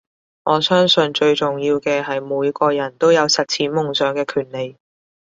我相信最重要嘅係每個人都有實踐夢想嘅權利